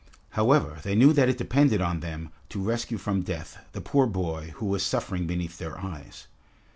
However, they knew that it depended on them to rescue from death the poor boy who was suffering beneath their eyes.